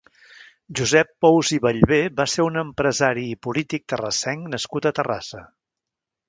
Josep Pous i Ballbé va ser un empresari i polític terrassenc nascut a Terrassa.